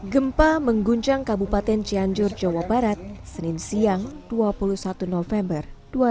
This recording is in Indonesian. gempa mengguncang kabupaten cianjur jawa barat senin siang dua puluh satu november dua ribu dua puluh